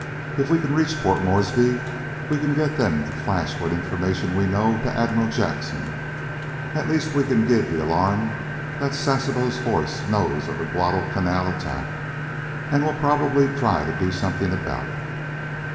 If we can reach Port Moresby we can get them to flash what information we know to Admiral Jackson. At least we can give the alarm that Sasebo's force knows of the Guadalcanal attack, and will probably try to do something about it.